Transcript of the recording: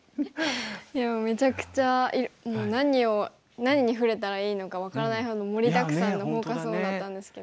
いやめちゃくちゃもう何を何に触れたらいいのか分からないほど盛りだくさんのフォーカス・オンだったんですけど。